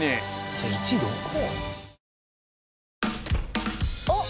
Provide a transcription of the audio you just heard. じゃあ１位どこ？